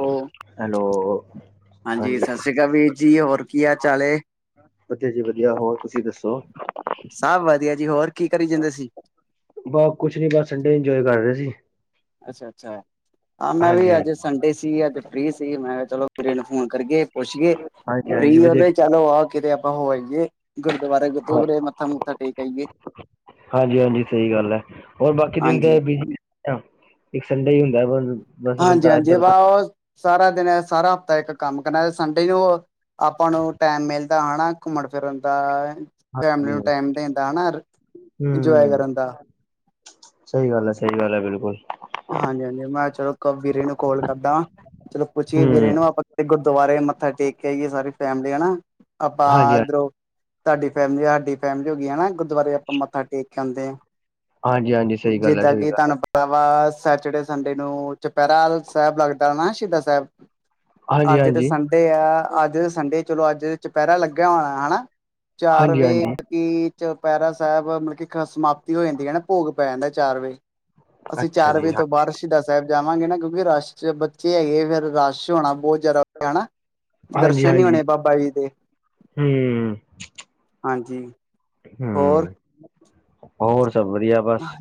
ਉਹ ਹੈਲੋ! ਹਾਂਜੀ ਸਤਿ ਸ੍ਰੀ ਅਕਾਲ ਵੀਰ ਜੀ ਹੋਰ ਕੀ ਹਾਲ ਚਾਲ ਏ ਵਧੀਆ ਜੀ ਵਧੀਆ, ਹੋਰ ਤੁਸੀਂ ਦੱਸੋ? ਸਭ ਵਧੀਆ ਜੀ, ਹੋਰ ਕੀ ਕਰੀ ਜਾਂਦੇ ਸੀ? ਬੳ ਕੁਛ ਨੀ ਬਸ, ਸੰਡੇ ਇੰਜੋਏ ਕਰ ਰਹੇ ਸੀ। ਅੱਛਾ ਅੱਛਾ, ਹਾਂ ਮੈਂ ਵੀ ਹਾਂਜੀ ਅੱਜ ਹਾਂਜੀ ਸੰਡੇ ਸੀ ਅੱਜ ਫ੍ਰੀ ਸੀ, ਮੈਂ ਚਲੋ ਵੀਰੇ ਨੂੰ ਫੋਨ ਕਰਕੇ ਪੁੱਛਿਏ। ਹਾਂਜੀ ਹਾਂਜੀ ਫ੍ਰੀ ਆ ਵਧੀਆ ਤੇ, ਕੀ ਚਲੋ ਆ ਕਿਤੇ ਆਪਾਂ ਹੋ ਆਈਏ। ਗੁਰਦੁਆਰੇ ਹਾਂ ਗੁਰਦੂਰੇ, ਮੱਥਾ ਮੁੱਥਾ ਟੇਕ ਆਈਏ। ਹਾਂਜੀ ਹਾਂਜੀ, ਸਹੀ ਗੱਲ ਹੈ, ਹੋਰ ਬਾਕੀ ਦਿਨ ਤੇ ਹਾਂਜੀ ਹਾਂ, ਇੱਕ ਸੰਡੇ ਹੀ ਹੁੰਦਾ ਬੱਸ। ਹਾਂਜੀ ਹਾਂਜੀ, ਵਾ ਉਹ ਸਾਰਾ ਦਿਨ ਏ, ਸਾਰਾ ਪੈਕ ਇੱਕ ਕੰਮ ਕਰਨਾ, ਸੰਡੇ ਇ ਉਹ ਆਪਾਂ ਨੂੰ ਟਾਈਮ ਮਿਲਦਾ ਆਣਾ, ਘੁੰਮਣ ਫਿਰਨ ਦਾ ਫੈਮਲੀ ਹਾਂਜੀ ਨੂੰ ਟਾਈਮ ਦੇਨ ਦਾ ਆਣਾ, ਇੰਜੋਏ ਹਮ ਕਰਨ ਦਾ ਸਹੀ ਗੱਲ ਹੈ ਸਹੀ ਗੱਲ ਹੈ, ਬਿਲਕੁਲ ਹਾਂਜੀ ਹਾਂਜੀ, ਮੈਂ ਚਲੋ ਕ ਵੀਰੇ ਨੂੰ ਕਾਲ ਕਰਦਾ ਹਾਂ, ਚਲੋ ਪੁੱਛੀਏ ਵੀਰੇ ਹਮ ਨੂੰ ਆਪਾਂ ਤੇ ਗੁਰਦੁਆਰੇ ਮੱਥਾ ਟੇਕ ਕੇ ਆਈਏ ਸਾਰੇ ਫੈਮਲੀ ਹਨਾ, ਹਾਂਜੀ ਆਪਾਂ ਇਧਰੋਂ ਤੁਹਾਡੀ ਫੈਮਿਲੀ, ਹਾਡੀ ਫੈਮਲੀ ਹੋ ਗਈ, ਹੈਨਾ ਗੁਰਦੁਆਰੇ ਆਪਾਂ ਮੱਥਾ ਟੇਕ ਕੇ ਆਉਂਦੇ ਹਾਂ। ਹਾਂਜੀ ਹਾਂਜੀ ਸਹੀ ਗੱਲ ਹੈ ਜਿੱਦਾਂ ਸਹੀ ਕਿ ਗੱਲ ਤੁਹਾਨੂੰ ਪ ਤਾ ਵਾ ਸੈਟਰਡੇ ਸੰਡੇ ਨੂੰ ਚੁਪਹਿਰਾ ਸਾਹਿਬ, ਲੱਗਦਾ ਨਾ ਸ਼ਹੀਦਾ ਸਾਹਿਬ। ਹਾਂਜੀ ਅੱਜ ਤਾਂ ਹਾਂਜੀ ਸੰਡੇ ਆ, ਅੱਜ ਸੰਡੇ ਚਲੋ ਅੱਜ ਚੁਪਹਿਰਾ ਲੱਗਿਆ ਹੋਣਾ ਹੈ ਹਨਾ? ਚਾਰ ਹਾਂਜੀ ਵੇ ਹਾਂਜੀ ਕਿ ਚੁਪਹਿਰਾ ਸਾਹਿਬ, ਮੁੜ ਕੇ ਸਮਾਪਤੀ ਹੋ ਜਾਂਦੀ ਹੈ ਨਾ, ਭੋਗ ਪੈ ਜਾਂਦਾ ਚਾਰ ਵਜੇ। ਅਸੀਂ ਅੱਛਾ ਚਾਰ ਵਜੇ ਜੀ ਹਾਂ ਫੇਰ ਸ਼ਹਿਦਾ ਸਾਹਿਬ ਜਾਵਾਂਗੇ ਨਾ, ਕਿਉਂਕਿ ਰਸ਼ ਚ ਬੱਚੇ ਹੈਗੇ ਫਿਰ ਰਸ਼ ਹੋਣਾ, ਬਹੁਤ ਜ਼ਿਆਦਾ ਹਣਾ? ਹਾਂਜੀ ਦਰਸ਼ਨ ਨੀ ਹਾਂਜੀ ਹੋਣੇ ਬਾਬਾ ਜੀ ਦੇ, ਹਮ ਹਾਂਜੀ। ਹਮ, ਹੋਰ ਹੋਰ ਸਭ ਵਧੀਆ। ਬਸ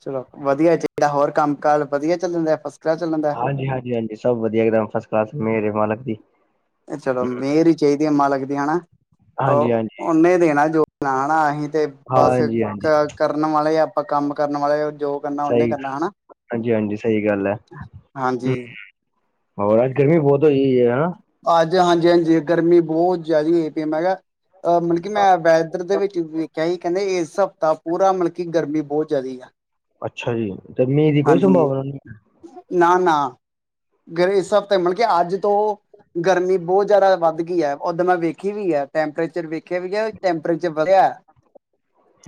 ਚਲੋ ਵਧੀਆ ਚਾਹੀਦਾ ਹੋਰ ਕੰਮ-ਕਜ ਵਧੀਆ ਚੱਲਣ ਦਾ ਫਸਟ ਕਲਾਸ ਚੱਲਣ ਦਾ? ਹਾਂਜੀ, ਹਾਂਜੀ, ਹਾਂਜੀ ਸਭ ਵਧੀਆਮ ਫਸਟ ਕਲਾਸ ਮੇਰੇ ਮਾਲਕ ਦੀ। ਚਲੋ ਮਿਹਰ ਹੀ ਚਾਹੀਦੀ ਮਾਲਕ ਦੀ ਹਨਾ? ਉਹ ਹਾਂਜੀ-ਹਾਂਜੀ, ਉਹਨੇ ਦੇਣਾ ਜੋ ਲਾਣਾ ਅਸੀਂ ਤੇ ਬਸ- ਹਾਂਜੀ-ਹਾਂਜੀ, ਕਰਨ ਵਾਲੇ ਆਪਾਂ ਕੰਮ ਕਰਨ ਵਾਲੇ, ਜੋ ਕਰਨਾ ਉਹਨੇ ਸਹੀ ਕਰਨਾ ਹੈਨਾ? ਹਾਂਜੀ-ਹਾਂਜੀ ਸਹੀ ਗੱਲ ਐ। ਹਾਂਜੀ। ਹੂੰ, ਹੋਰ? ਅੱਜ ਗਰਮੀ ਬਹੁਤ ਹੋਈ ਹੈ ਹਨ? ਅੱਜ ਹਾਂਜੀ-ਹਾਂਜੀ ਗਰਮੀ ਬਹੁਤ ਜ਼ਿਆਦਾ ਹੋ ਪਈ ਮੈਂ ਗਾ ਅ ਮਤਲਬ ਕਿ ਮੈਂ ਵੈਦਰ ਦੇ ਵਿੱਚ ਵੇਖਿਆ ਹੀ ਕਹਿੰਦੇ ਇਸ ਹਫ਼ਤਾ ਪੂਰਾ ਮਤਲਬ ਕਿ ਗਰਮੀ ਬਹੁਤ ਜ਼ਿਆਦਾ ਆ। ਅੱਛਾ ਜੀ? ਤੇ ਮੀਂਹ ਦੀ ਕੋਈ ਸੰਭਾਵਨਾ ਨੀ? ਨਾ-ਨਾ, ਗਰਮੀ ਇਸ ਹਫ਼ਤੇ ਮਤਲਬ ਕੇ ਅੱਜ ਤੋਂ ਗਰਮੀ ਬਹੁਤ ਜ਼ਿਆਦਾ ਵੱਧ ਗਈ ਹੈ, ਉੱਦਾਂ ਮੈਂ ਵੇਖੀ ਵੀ ਹੈ ਟੈਂਪਰੇਚਰ ਵੇਖਿਆ ਵੀ ਹੈ ਟੈਂਪਰੇਚਰ ਵਧਿਆ।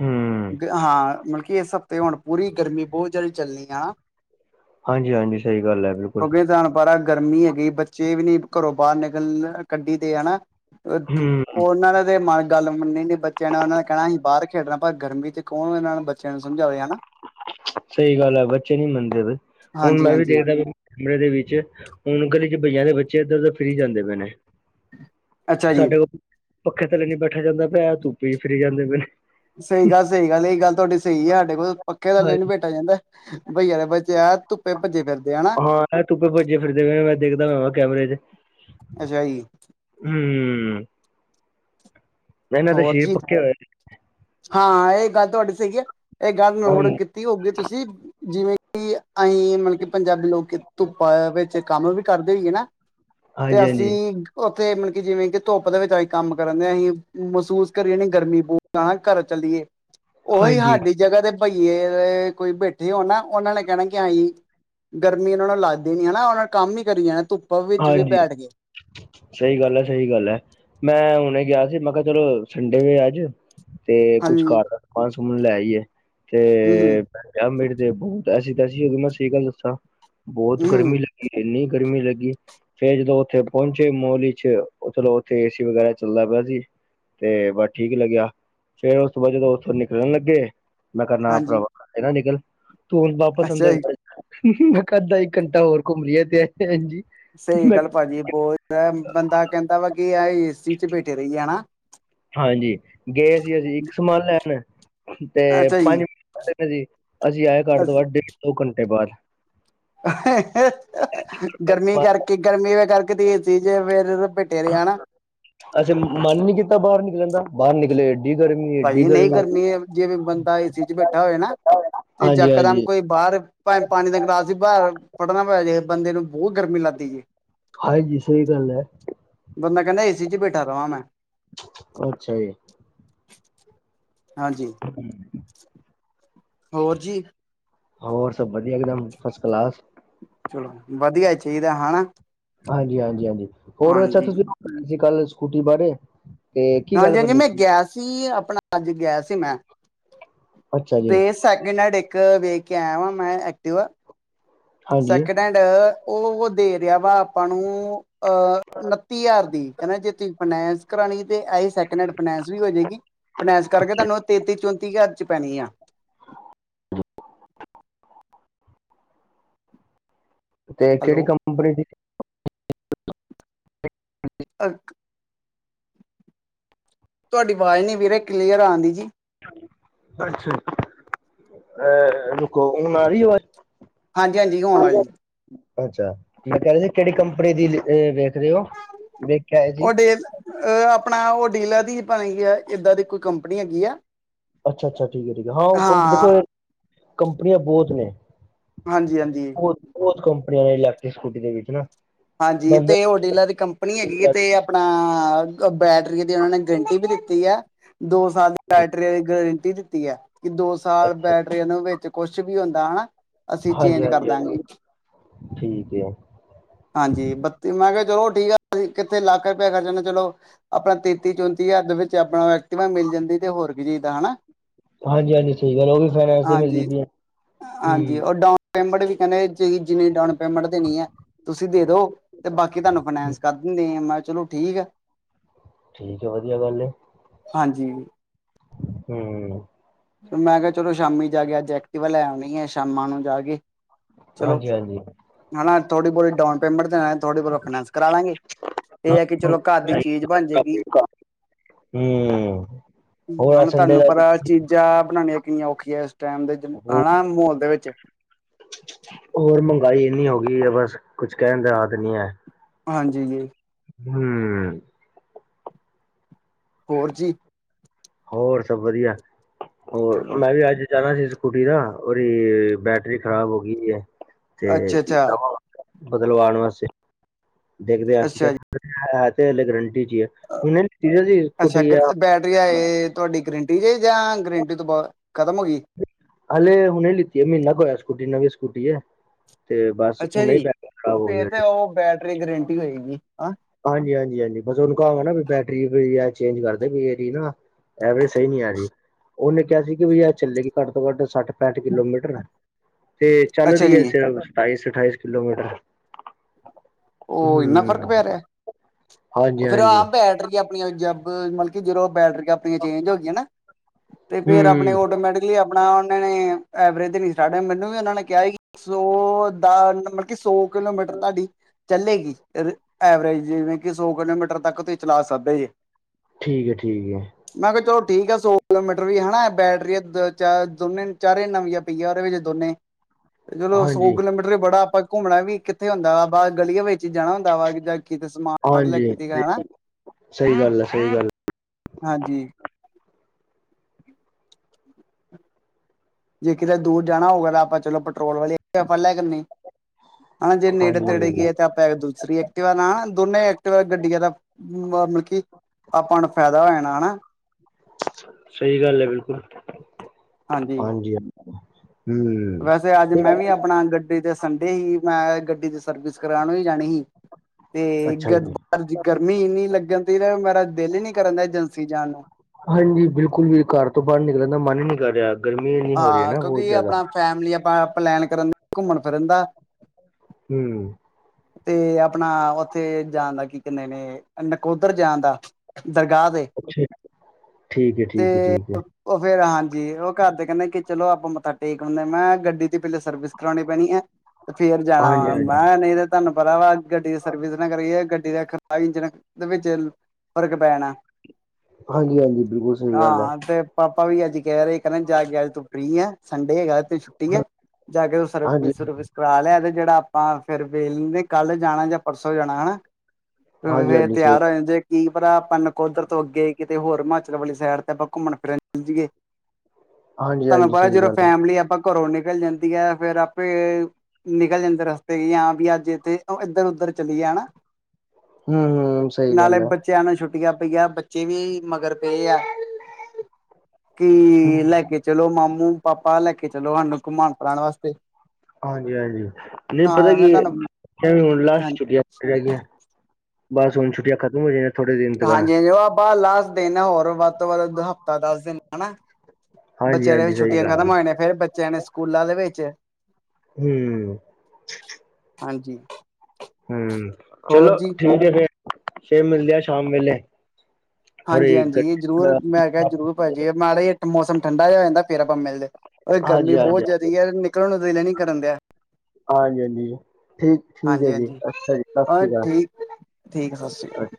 ਹੂੰ, ਹਾਂ, ਮਤਲਬ ਕੀ ਇਸ ਹਫ਼ਤੇ ਹੁਣ ਪੂਰੀ ਗਰਮੀ ਬਹੁਤ ਜਿਆਦਾ ਚੱਲਣੀ ਆ। ਹਾਂਜੀ-ਹਾਂਜੀ, ਸਹੀ ਗੱਲ ਹੈ, ਬਿਲਕੁਲ। ਬਾਰਾ ਗਰਮੀ ਹੈਗੀ, ਬੱਚੇ ਵੀ ਨੀ ਘਰੋਂ ਬਾਹਰ ਨਿਕਲ ਕੱਢੀ ਤੇ ਹਨਾ? ਹੂੰ ਉਹਨਾਂ ਦੇ ਮ- ਗੱਲ ਮੰਨਨੀ ਨੀ ਬੱਚਿਆਂ ਨੇ ਉਹਨਾਂ ਨੇ ਕਹਿਣਾ ਅਸੀਂ ਬਾਹਰ ਖੇਡਣਾ ਪਰ ਗਰਮੀ ਚ ਕੌਣ ਉਹਨਾਂ ਨਾਲ ਬੱਚ ਬੱਚਿਆਂ ਨੂੰ ਸਮਝਾਵੇ ਹੈਨਾ? ਸਹੀ ਗੱਲ ਹੈ, ਬੱਚੇ ਨੀ ਮੰਨਦੇ ਬਈ ਹੁਣ ਹਾਂਜੀ ਮੈਂ ਵੀ ਹਾਂਜੀ ਦੇਖਦਾ ਕਮਰੇ ਦੇ ਵਿੱਚ ਹੁਣ ਗਲੀ ਚ ਬਈਆਂ ਦੇ ਬੱਚੇ ਇਧਰ- ਉਧਰ ਫਿਰੀ ਜਾਂਦੇ ਪਏ ਨੇ। ਅੱਛਾ ਜੀ। ਸਾਡੇ ਕੋਲ ਪੱਖੇ ਥੱਲੇ ਨੀ ਬੈਠਾ ਜਾਂਦਾ ਪਿਆ ਧੁੱਪੀ ਫਿਰੀ ਜਾਂਦੇ ਪਏ ਨੇ। ਸਹੀ ਗੱਲ ਸਹੀ ਗੱਲ ਇਹੀ ਗੱਲ ਤੁਹਾਡੀ ਸਹੀ ਹੈ, ਸਾਡੇ ਕੋਲ ਪੱਖੇ ਥੱਲੇ ਨੀ ਹਾਂਜੀ, ਬੈ ਪੈ ਜਾਂਦਾ, ਬਈਆ ਦੇ ਬੱਚੇ ਆ ਧੁੱਪੇ ਭੱਜੇ ਫਿਰ ਹਾਂ, ਧੁੱਪੇ ਭੱਜੇ ਫਿਰਦੇ ਮੈਂ ਦੇਖਦਾ ਮੈਂ ਕੈਮਰੇ ਚ। ਅੱਛਾ ਜੀ ਹਮ ਹੋਰ ਸਰੀਰ ਜੀ। ਪੱਕੇ ਹੋਏ ਨੇ, ਹਾਂ ਇਹ ਗੱਲ ਤੁਹਾਡੀ ਸਹੀ ਆ ਇਹ ਗੱਲ ਨੋਟ ਹਾਂਜੀ, ਕੀ ਤੀ ਹੋਊਗੀ ਤੁਸੀਂ? ਜਿਵੇਂ ਕਿ, ਆਈ ਮਤਲਬ ਕਿ ਪੰਜਾਬੀ ਲੋਕ ਧੁੱਪਾ ਵਿੱਚ ਕੰਮ ਵੀ ਕਰਦੇ ਹੋਈਏ ਨਾ ਤੇ ਅਸੀਂ ਹਾਂਜੀ-ਹਾਂਜੀ, ਹਾਂਜੀ। ਉੱਥੇ ਮਤਲਬ ਕੀ, ਜਿਵੇਂ ਕਿ ਧੁੱਪ ਦੇ ਵਿੱਚ ਆਈ ਕੰਮ ਕਰਨਦੇ ਹ ਅਸੀਂ। ਮਹਿਸੂਸ ਕਰੀਏ ਨਾ ਗਰਮੀ ਬੂਤ ਘਰ ਚੱਲਏ ਉਹੀ ਹਾਂਜੀ ਹਾਡੀ ਜਗ੍ਹਾ ਦੇ ਬਈਏ ਕੋਈ ਬੈਠੇ ਹੋ ਨਾ ਉਹਨਾਂ ਨੇ ਕਹਿਣਾ ਕਿ ਆਈ ਗਰਮੀ ਉਹਨਾਂ ਨੂੰ ਲੱਗਦੀ ਨੀ ਹਨਾਂ, ਉਹਨਾਂ ਨੇ ਕੰਮ ਹੀ ਕਰੀ ਜਾਣਾ ਧੁੱਪ ਵਿੱਚ ਵੀ ਹਾਂਜੀ, ਬੈਠ ਗਏ। ਸਹੀ ਗੱਲ ਐ, ਸਹੀ ਗੱਲ ਐ। ਮੈਂ ਹੁਣੇ ਗਿਆ ਸੀ, ਮੈਂ ਕਿਹਾ ਚਲੋ ਸੰਡੇ ਵੇ ਅੱਜ ਤੇ ਕੁਛ ਹਾਂਜੀ [unintelligible] ਤੇ ਹੂੰ ਆ ਮੇਰੇ ਤੇ ਬਹੁਤ ਐਸੀ ਤੈਸੀ ਹੋ ਗਈ, ਮੈਂ ਸਹੀ ਗੱਲ ਦੱਸਾਂ ਬਹੁਤ ਗਰਮੀ ਹੂੰ ਲੱ ਇੰਨੀ ਗਰਮੀ ਲੱਗੀ ਫੇਿਰ ਜਦੋਂ ਉੱਥੇ ਪਹੁੰਚੇ ਮੋਲ 'ਚ, ਚਲੋ ਉੱਥੇ ਏਸੀ ਵਗੈਰਾ ਚੱਲਦਾ ਪਿਆ ਸੀ। ਤੇ ਬਸ ਠੀਕ ਲੱਗਿਆ, ਫੇਰ ਉਸ ਤੋਂ ਬਾਅਦ ਜਦੋਂ ਉੱਥੋਂ ਨਿਕਲਣ ਲੱਗੇ ਮੈਂ ਕਿਹਾ ਨਾ ਹਾਂਜੀ ਪਰਾਵਾ, ਤੂੰ ਵਾਪਸ ਅੱਛਾ ਅੰਦਰ ਜੀ ਮੈਂ ਕਰਦਾ ਇੱਕ ਘੰਟਾ ਹੋਰ ਘੁੰਮ ਲਈਏ, ਤੇ ਹਾਂਜੀ ਸਹੀ ਮੈਂ ਗੱਲ ਭਾਜੀ ਬਹੁਤ ਬੰਦਾ ਕਹਿੰਦਾ ਵਾ ਕਿ, ਆਹ ਏਸੀ 'ਚ ਬੈਠੇ ਰਹੀਏ, ਹੈਨਾ। ਹਾਂਜੀ, ਗਏ ਸੀ ਅਸੀਂ ਇੱਕ ਸਮਾਨ ਲੈਣ, ਤੇ ਅੱਛਾ ਜੀ ਪੰਜ ਜੀ ਅਸੀਂ ਆਏ ਘਰ, ਤੋਂ ਬਾਅਦ ਡੇਢ ਦੋ ਘੰਟੇ ਬਾਅਦ [unintelligible] ਗਰਮੀ ਕਰਕੇ, ਗਰਮੀ ਕਰਕੇ ਤੇਜ਼ ਸੀ, ਜੇ ਫੇਰ ਭਿੱਟੇ ਤੇ ਆ ਨਾ ਜਾਨਾ। ਅੱਛੇ ਮਨ ਨੀ ਕੀਤਾ ਬਾਹਰ ਨਿਕਲਣ ਦਾ, ਬਾਹਰ ਨਿਕਲੇ ਇੰਨੀ ਗਰਮੀ ਭਾਜੀ ਨਹੀਂ ਗਰਮੀ, ਜੇ ਬੰਦਾ ਏਸੀ 'ਚ ਬੈਠਾ ਹੋਵੇ ਨਾ, ਤੇ ਹਾਂਜੀ-ਹਾਂਜੀ, ਯਕਦਮ ਹਾਂਜੀ ਕੋਈ ਬਾਹਰ ਭਵੇ, ਪਾਣੀ ਦਾ ਗਲਾਸ ਹੀ ਬਾਹਰ ਫੜਨਾ ਪਇਆ ਜੇ ਬੰਦੇ ਨੂੰ, ਬਹੁਤ ਗਰਮੀ ਲੱਗਦੀ ਜੇ। ਹਾਂਜੀ, ਸਹੀ ਗੱਲ ਹੈ। ਬੰਦਾ ਕਹਿੰਦਾ, ਏ ਸੀ 'ਚ ਬੈਠਾ ਰਵਾਂ ਮੈਂ ਅੱਛਾ ਜੀ। ਹਾਂਜੀ। ਹੋਰ ਜੀ? ਹੋਰ ਸਭ ਵਧੀਆ ਇਕਦਮ, ਫਸਟ ਕਲਾਸ ਚਲੋ ਵਧੀਆ ਹੀ ਚਾਹੀਦਾ, ਹੈਣਾ। ਹਾਂਜੀ- ਹਾਂਜੀ, ਹਾਂਜੀ, ਹੋਰ ਅੱਛਾ ਤੁਸੀਂ ਗਏ ਸੀ ਕੱਲ ਸਕੂਟੀ ਬਾਰੇ? ਤੇ ਕੀ ਗੱਲ ਹਾਂਜੀ ਹਾਂਜੀ ਬਣਨੀ ਮੈਂ ਸੀ ਗਿਆ ਸੀ, ਆਪਣਾ ਅੱਜ ਗਿਆ ਸੀ ਮੈਂ, ਅੱਛਾ ਜੀ ਤੇ ਸੈਕਿੰਡਡ ਹੈਂਡ ਇੱਕ ਬ ਕਿਹਾ ਆਇ ਵ, ਮੈਂ ਐਕਟਿਵਾ ਹਾਂਜੀ ਸੈਕਿੰਡ ਹੈਂਡ, ਉਹ ਦੇ ਰਿਹਾ ਵਾ ਆਪਾਂ ਨੂੰ ਅਹ ਤਤੀ ਹਜ਼ਾਰ ਦੀ, ਕਹਿੰਦਾ ਜੇ ਤੁਸੀਂ ਫਾਈਨੈਂਸ ਕਰਾਉਣੀ, ਤੇ ਇਹ ਸੈਕਿੰਡ ਹੈਂਡ ਫਾਈਨੈਂਸ ਵੀ ਹੋ ਜਾਏਗੀ ਪਨੈਸ ਕਰਕੇ ਤੁਹਾਨੂੰ, ਤੇਤੀ -ਚੌਂਤੀ ਕੁ ਹਜਾਰ 'ਚ ਪੈਣੀ ਆ। ਤੇ ਕਿਹੜੀ ਹੈਲੋ ਕੰਪਨੀ ਦੀ? ਅ ਤੁਹਾਡੀ ਆਵਾਜ਼ ਨੀ ਵੀਰੇ, ਕਲੀਅਰ ਆਉਂਦੀ ਜੀ ਅੱਛਾ, ਅਹ ਰੁਕੋ, ਹੁਣ ਆ ਰਹੀ ਆਵਾਜ਼? ਹਾਂਜੀ ਹਾਂਜੀ, ਹੋਣ ਆ ਜੀ ਅੱਛਾ, ਮੈਂ ਕਹਿ ਰ ਸੀ, ਕਿਹੜੀ ਕੰਪਨੀ ਦੀ ਵੇਖ ਰਹੇ ਹੋ? ਵਖਿਆ ਉਹ ਡੇ ਆਪਣਾ ਉਹ ਡੇਲਰ ਦੀ ਭਵੇ, ਕੀ ਇਏਦਾਂ ਦੀ ਕੋਈ ਕੰਪਨੀ ਹੈਗੀ ਆ। ਅੱਛਾ ਅੱਛਾ, ਠੀਕ ਹੈ ਠੀਕ ਹੈ, ਹਾਂ ਉਹ ਕੰ ਦੇਖੋ ਕੰਪਨੀਆਂ ਬਹੁਤ ਨੇ ਹਾਂਜੀ, ਹਾਂਜੀ। ਬਹੁਤ ਬਹੁਤ ਕੰਪੀਆਂ ਨੇ, ਇਲੈਕਟ੍ਰਿਕ ਸਕੂਟੀ ਦੇ ਵਿੱਚ ਨਾ ਹਾਂਜੀ, ਬੰਦਾ ਤੇ ਉਹਓਡੀਲਾ ਦੀ ਕੰਪ ਆਪਣੀ ਹੈਗੀ ਹੈ ਤੇ ਆਪਣਾ, ਬੈਟਰੀ ਦੀ ਉਹਨਾਂ ਨੇ ਗਰੰਟੀ ਵੀ ਦਿੱਤੀ ਆ ਦੋ ਸਾਲ ਦੀ, ਬੈਟਰੀ ਦੀ ਗਰੰਟੀ ਦਿੱਤੀ ਹੈ ਕਿ ਦੋ ਸਾਲ ਅੱਛਾ ਬੈਟ ਟ੍ਰੇਨ ਵਿੱਚ ਕੁਛ ਵੀ ਹੁੰਦਾ ਹਨਾ, ਅਸੀਂ ਹਾਂਜੀ ਚੇਂਜ ਕਰ ਹਾਂਜੀ ਦਾਂਗੇ। ਹਾਂਜੀ ਠੀਕ ਏ। ਹਾਂਜੀ ਬੱਤੀ, ਮੈਂ ਕਿਹਾ ਚਲੋ ਠੀਕ ਆ, ਕਿੱਥੇ ਲੱਖ ਰੁਪਇਆ ਖਰਚਣਾ ਚਲੋ ਆਪਣਾ ਤੇਤੀ ਚੌਂਤੀ ਹਜਾਰ ਦੇ ਵਿੱਚ ਆਪਣਾ ਐਕਟਵਾ ਮਿਲ ਜਾਂਦੀ ਤੇ ਹੋਰ ਕੀ ਚਾਹੀਦਾ ਹਨਾ। ਹਾਂਜੀ-ਹਾਂਜੀ, ਸਹੀ ਗੱਲ ਆ ਉਹ ਵੀ ਫਾਈਨਾਸ ਮਿਲਦੀ ਹਾਂਜੀ ਪਈ ਆ ਹਾਂਜੀ ਠੀ ਉਹ ਡਾਊਨ ਪੇਮੈਂਟ ਵੀ ਕਹਿੰਦੇ ਜ ਜਿੰਨੀ ਡਾਊਨ ਪੇਮੈਂਟ ਤੇ ਨੀ ਹੈ, ਤੁਸੀਂ ਦੇ ਦੋ ਤੇ ਬਾਕੀ ਤੁਹਾਨੂੰ ਹੂੰ, ਫਾਈਨੈਂਸ ਕਰ ਦਿੰਦੇ ਚਲੋ ਠੀਕ ਆ। ਠੀਕ ਆ ਵਧੀਆ ਗੱਲ ਆ, ਹਾਂਜੀ। ਹੂੰ। ਮੈਂ ਕਿਹਾ ਚਲੋ ਸ਼ਾਮੀ ਜਾ ਕੇ ਅੱਜ ਐਕਟੀਵਾ ਲੈ ਆਣੀ ਹੈ ਸ਼ਾਮਾਂ ਨੂੰ ਜਾ ਕੇ, ਚਲੋ, ਹਾਂਜੀ ਹਾਂਜੀ ਹਨਾ ਥੋੜੀ ਬਹੁਤੀ ਡਾਊਨ ਪੇਮੈਂਟ ਤਾਂ ਹੈ, ਥੋੜੀ ਬਹੁ ਫਾਈਨੈਂਸ ਕਰਾ ਲਾਂਗੇ ਇਹ ਹੈ ਕਿ ਚਲੋ ਘਰ ਦੀ ਚੀਜ਼ ਬਣ ਜਾਏਗੀ। ਹੂੰ ਹੋਰ ਹੁਣ ਅੱਜ ਸੰਡੇ ਤੁਹਾਨੂੰ ਦਾ ਪਤਾ, ਚਾਹ ਬਣਾਣੀਆਂ ਕਿੰਨੀਆਂ ਔਖੀਆਂ ਇਸ ਟਾਈਮ ਦੇ ਆ ਹੋਰ ਹਨਾ ਮਾਹੌਲ ਦੇ ਵਿੱਚ ਹੋਰ ਮਹਿੰਗਾਈ ਇੰਨੀ ਹੋ ਗਈ ਆ ਬਸ ਕੁਝ ਕਹਿਣ ਦਾ ਰਾਦ ਨੀ ਆ, ਹਾਂਜੀ ਜੀ,, ਵ ਹੂੰ। ਹੋਰ ਜੀ। ਹੋਰ ਸਭ ਵਧੀਆ, ਹੋਰ ਚਲੋ ਮੈਂ ਵੀ ਅੱਜ, ਜਾਣਾ ਸੀ ਸਕੂਟੀ ਦਾ ਉਹਦੀ ਬੈਟਰੀ ਖਰਾਬ ਹੋ ਗਈ ਹੈ ਤੇ ਅੱਛਾ ਅੱਛਾ ਬਦਲ ਵਾਣ ਵਾਸਤੇ ਦੇਖਦੇ ਆ, ਕਿ ਅੱਛਾ ਜੀ ਕਹਿਦੇ ਹੈ ਤੇ ਹਲੇ ਗਰ੍ਹੰਟੀ ਚ ਹੀਏ। ਅੱਛਾ ਬੈਟਰੀ [unintelligible] ਇਹ ਤੁਹਾਡੀ ਗਰੰਟੀ ਚ ਜਾਂ, ਗਰੰਟੀ ਤੋਂ ਬਦ ਖਤਮ ਹੋ ਗਈ। ਹਾਲੇ ਹੁਣੇ ਲਿੱਤੀ ਹੈ, ਮਹੀਨਾ ਕਾ ਹੋਇਆ ਸਕੂਟੀ ਨਵੀ ਸਕੂਟੀ ਹੈ ਤੇ ਬਸ ਅੱਛਾ ਹੁਣੇ ਹੀ ਜੀ, ਬੈਟਰੀ ਖਰਾਬ ਉਹ ਹੋ ਗਈ ਫੇਰ ਤੇ ਉਹਦੀ ਉਹ ਬੈਟਰੇ ਦੀ ਗਰੰਟੀ ਹੋਏਗੀ, ਹਾਂ। ਹਾਂਜੀ, ਹਾਂਜੀ, ਹਾਂਜੀ, ਬਸ ਉਹਨੂੰ ਕਹਾਂਗਾ ਨਾ ਬੈਟਰੀ ਵੀ ਚੇਂਜ ਕਰਦੇ ਭੀ ਇਦੀ ਨਾਂ ਐਵਰੇਜ ਸਹੀ ਨਹੀਂ ਆ ਰਹੀ, ਉਹਨੇ ਕਿਹਾ ਸੀ ਕਿ ਵੀ ਐ ਚੱਲੇਗੀ ਘੱਟ ਤੋਂ ਘੱਟ ਸੱਠ ਪੈਂਠ ਕਿਲੋਮੀਟਰ ਤੇ ਚੱਲ ਅੱਛਾ ਰਹੀ ਹੈ, ਜੀ ਸਿਰਫ਼ ਅਠਾਈਸ- ਅਠਾਈਸ ਕਿਲੋਮੀਟਰ। ਓ ਇੰਨਾ ਫ਼ਰਕ ਹਮ ਪੈ ਰਿਹਾ ਹਾਂਜੀ ਫੇਰ ਹਾਂਜੀ ਆਪ [unintelligible] ਵੀ ਚੇਂਜ ਹੋ ਗਈਆਂ ਨਾ ਤੇ ਫੇਰ ਆਪਣੇ ਹੂੰ ਆਟੋਮੈਟਿਕ ਕਿ ਆਪਣਾਂ ਉਹਨਾ ਨੇ ਐਵਰੇਜ ਨਹੀਂ ਸ਼ਟਾਰਟ, ਮੈਨੂੰ ਵੀ ਉਹਨਾਂ ਨੇ ਕਿਹਾ ਈ, ਸੌ ਦਾ ਮਤਲਬ ਕੀ ਸੌ ਕਿਲੋਮੀਟਰ ਤਹਾਡੀ, ਚੱਲੇਗੀ, ਐਵਰੇਜ ਜਿਵੇਂ ਕਿ ਸੌ ਕਿਲੋਮੀਟਰ ਤੱਕ ਤੁਸੀਂ ਚਲਾ ਸਕਦੇ ਜੇ ਠੀਕ ਹੈ, ਠੀਕ ਹੈ। ਮੈਂ ਕਿਹਾ ਚਲੋ ਠੀਕ ਆ ਸੌ ਕਿਲੋਮੀਟਰ ਵੀ ਹਨਾ ਬੈਟਰੀਆਂ ਦੋ, ਚਾਰ ਦੋਨੇ ਚਾਰੇ ਨਵੀਆਂ ਪਈਆ ਉਹਦੇ ਵਿੱਚ ਦੋਨੇ, ਚਲੋ ਸੌ ਹਾਂਜੀ ਕਿਲੋਮੀਟਰ ਬੜਾ ਆਪਾਂ ਘੁੰਮਨਾ ਵੀ ਕਿੱਥੇ ਹੁੰਦਾ ਬਾਹਰ ਗਲੀਆਂ ਵਿੱਚ ਹੀ ਜਾਨਾ ਹੁੰਦਾ ਵਾ ਜਾਂ ਕਿਤੋ ਸਮਾਨ ਲੈ ਕੇ ਹਾਂਜੀ ਦੇਨਾ ਹਨਾਂ। ਸਹੀ ਗੱਲ ਹੈ ਸਹੀ ਗੱਲ ਹਾਂਜੀ। [inaudible] ਜੇ ਕਿਤੇ ਦੂਰ ਜਾਨਾ ਹੋਵੇਗਾ, ਤਾਂ ਆਪਾਂ ਚਲੋ ਪੈਟਰੋਲ ਵਾਲੀ ਆਪਾ ਲੈ ਜਾਣੀ, ਹਾ ਜੇ ਨੇੜੇ ਹਾਂਜੀ ਤੇੜੇ ਹਾਂਜੀ ਗਏ ਤੇ, ਆਪਾਂ ਦੂਸਰੀ ਐਕਟਵਾ ਨਾ ਦੋਨੇ ਐਕਟਵਾ ਗੱਡੀਆਂ ਦਾ ਮਤਲਬ ਕੀ ਆਪਾਂ ਨੂੰ ਫਾਏਦਾ ਹੋ ਜਾਣਾ ਹਨਾ। ਸਹੀ ਗੱਲ ਹੈ, ਬਿਲਕੁਲ ਹਾਂਜੀ ਹਾ ਹੂੰ, ਵੈਸੇ ਅੱਜ ਮੈਂ ਵੀ ਆਪਣਾ ਗੱਡੀ ਦੇ ਸੰਡੇ ਈ, ਮੈਂ ਗੱਡੀ ਦੀ ਸਰਵਿਸ ਕਰਉਨ ਵੀ ਜਾਣੀ ਸੀ। [inaudible] ਤੇ ਅੱਛਾ ਗਡ ਜੀ ਗਰਮੀ ਇਨੀ ਲੱਗਨ ਦਈ ਨਾ ਮੇਰਾ ਦਿਲ ਹੀ ਨੀ ਕਰਨ ਦਾ ਏਜੰਸੀ ਜਾਣ ਨੂੰ। ਹਾਂਜੀ, ਬਿਲਕੁਲ ਵੀ ਘਰ ਤੋਂ ਬਾਹਰ ਨਿਕਲਨ ਦਾ ਮਨ ਹੀ ਨਹੀਂ ਕਰ ਰਿਹਾ, ਗਰਮੀ ਏਨੀ ਹੋ ਰਹੀ ਹਾਂ ਹੈ ਬਹੁਤ ਕਿਉਂਕਿ ਜ਼ਿਆਦਾ। ਆਪਣਾ ਫੈਮਿਲੀ, ਆਪਾਂ ਪਲੈਨ ਕਰਨ ਦਏ ਘੁੰਮਨ-ਫਿਰਨ ਦਾ, ਹਮ। ਤੇ ਆਪਣਾ ਉੱਥੇ ਜਾਣ ਦਾ ਕੀ ਕਹਿੰਨ ਨੇ, ਨਕੋਦਰ ਜਾਣ ਦਾ। ਦਰਗਾਹ ਦੇ, ਅੱਛਾ ਠੀਕ ਹੈ ਠੀਕ ਹੈ ਤੇ ਠੀਕ ਹੈ ਉਹ ਫੇਰ ਹਾਂਜੀ, ਉਹ ਘਰਦੇ ਕਹਿੰਦੇ ਕਿ ਚਲੋ ਆਪਾਂ ਮੱਥਾ ਟੇਕ ਆਉਂਨੇ, ਮੈਂ ਗੱਡੀ ਦੀ ਪਹਿਲੇ ਸਰਵਿਸ ਕਰਾਉਣ ਪੈਣੀ ਏ। ਤੇ ਫੇਰ ਜਾਣਾ ਹਾਂਜੀ ਮੈਂ ਵਾਂ, ਹਾਂਜੀ ਮੈਂ ਹਾਂ ਨਹੀਂ ਤੇ ਤੁਹਨੂੰ ਪਤਾ ਵਾ ਗੱਡੀ ਦੀ ਸਰਵਿਸ ਨਾ ਕਰੀਏ, ਗੱਡੀ ਦਾ ਖਰਾਬ ਇੰਜਣ ਦੇ ਵਿੱਚ ਫਰਕ ਪੈ ਜਾਣਾ, ਹਾਂਜੀ ਹਾਂਜੀ ਬਿਲਕੁਲ ਸਹੀ ਗੱਲ ਹੈ ਆਹ ਤੇ, ਪਾਪਾ ਵੀ ਅੱਜ ਕਹਿ ਰਹੇ ਜਾ- ਜਾ ਅੱਜ ਤੂੰ ਫਰੀ ਆ, ਸੰਡੇ ਹੈਗਾ ਤੇ ਛੁੱਟੀ ਏ, ਜਾਕੇ ਹਾਂਜੀ ਸਰਵਿਸ-ਸੂਰਵਿਸ ਕਰਾ ਲਿਆ ਤੇ ਜਿਹੜਾ ਆਪਾਂ ਫੇਰ ਵੇਖ ਲੈਨੇ ਕੱਲ ਜਾਣਾ ਜਾਂ ਪਰਸੋਂ ਜਾਣਾ ਹਨਾਂ, ਫੇਰ ਹਾਂਜੀ ਮੈਂ ਹਾਂਜੀ ਸਹੀ ਤਿਆਰ ਹੋ ਜਾਊ ਜੇ ਕੀ ਪਤਾ ਆਪਾਂ ਨਕੋਦਰ ਤੋਂ ਅੱਗੇ, ਕਿੱਤੇ ਹੋਰ ਹਿਮਾਚਲ ਵਾਲੀ ਸਾਈਡ ਤੇ ਆਪਾਂ ਘੁੰਮਣ ਫਿਰਨ ਚਲੇ ਜਈਏ। ਹਾਂਜੀ ਤਹਾਨੂੰ ਹਾਂਜੀ ਪਤਾ ਸਹੀ ਜਦੋਂ ਗੱਲ ਹੈ ਫੈਮਲੀ ਆਪਾਂ ਘਰੋਂ ਨਿਕਲ ਜਾਂਦੀ ਹੈ, ਫੇਰ ਆਪੇ ਨਿਕਲ ਜਾਂਦੇ ਰਸਤੇ ਵੀ ਜਾਂ ਵੀ ਅੱਜ ਏ ਤੇ ਏਧਰ-ਉੱਧਰ ਚਲੀਏ। ਹੂੰ, ਹੂੰ ਸਹੀ ਗੱਲ ਆ। ਬੱਚਿਆ ਨੂੰ ਛੁੱਟੀਆਂ ਪਾਈਆ, ਬੱਚੇ ਵੀ ਮਗਰ ਪਏ ਆ। ਭੀ ਲੈ ਕੇ ਚੱਲੋ ਮਾਮੂ। ਪਾਪਾ ਲੈ ਕੇ ਚਲੋ ਸਾਨੂੰ, ਘੁਮਾਨ-ਫਿਰਾਨ ਵਾਸਤੇ। ਹਾਂਜੀ, ਹਾਂਜੀ। ਨਹੀਂ ਪਤਾ ਹਾਂ ਕੀ ਮੈਂ ਏ, ਤੁਹਾਨੂੰ ਏ ਹੁਣ ਲਾਸਟ ਹਾਂਜੀ ਛੁੱਟੀਆਂ ਰਹਿ ਗਈਆਂ, ਬਸ ਹੁਣ ਛੁੱਟੀਆਂ ਖਤਮ ਹੋ ਜਾਣ ਹਾਂਜੀ, ਹਾਂਜੀ ਉਹ ਆਪ ਬਸ ਲਾਸਟ ਦਿਨ ਆ, ਹੋਰ ਵੱਧ ਤੋਂ ਵੱਧ ਹਫ਼ਤਾ ਦਸ ਦਿਨ ਹਨਾ। ਹਾਂਜੀ ਬੱਚਿਆਂ ਦੇ ਵੀ ਹਾਂਜੀ ਸਹੀ ਛੁੱਟੀਆਂ ਗੱਲ ਆ ਖਤਮ ਹੋ ਜਾਣੀਆਂ ਨੇ, ਫਿਰ ਬੱਚਿਆਂ ਨੇ ਸਕੂਲਾਂ ਦੇ ਵਿੱਚ। ਹੂੰ। ਹਾਂਜੀ। ਹੂੰ, ਹੋਰ ਚਲੋ ਜੀ ਠੀਕ ਏ ਫਿਰ, ਫੇਰ ਮਿਲਦੇ ਆ ਸ਼ਾਮ ਵੇਲੇ। ਹਾਂਜੀ, ਥੋੜੀ ਗ ਹਾਂਜੀ ਜ਼ਰੂਰ, ਮੈਂ ਕਿਹਾ ਜ਼ਰੂਰ ਭਾਜੀ, ਮਾੜਾ ਜਿਹਾ ਮੌਸਮ ਠੰਡਾ ਜਿਹਾ ਹੋ ਜਾਂਦਾ, ਫੇਰ ਆਪਾਂ ਮਿਲਦੇ। ਓਏ ਗਰਮੀ ਹਾਂਜੀ ਬਹੁਤ ਹਾਂਜੀ ਜ਼ਿਆਦੀ ਆ, ਨਿਕਲਣ ਨੂੰ ਦਿਲ ਨੀ ਕਰਨ ਦਿਆ। ਹਾਂਜੀ, ਹਾਂਜੀ। ਠੀਕ-ਠੀਕ ਏ ਹਾਂਜੀ ਜੀ, ਹਾਂਜੀ ਅੱਛਾ ਜੀ, ਸਾਸ ਹਾਂ ਰੀ ਕਾਲ। ਠੀਕ ਠੀਕ, ਸਸ ਰੀ ਕਾਲ।